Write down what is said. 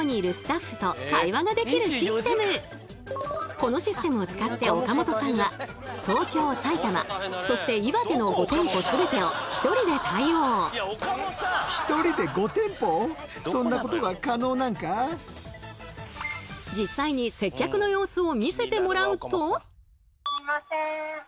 このシステムを使って岡本さんは東京埼玉そして岩手の実際に接客の様子を見せてもらうと。